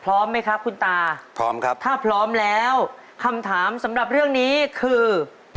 พร้อมไหมครับคุณตาพร้อมครับถ้าพร้อมแล้วคำถามสำหรับเรื่องนี้คือ